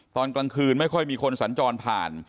ตอนกลางคืนไม่ค่อยมีคนสัญจรผ่าน